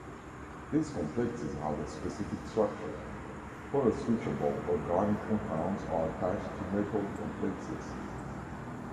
These complexes have a specific structure: photoswitchable organic compounds are attached to metal complexes.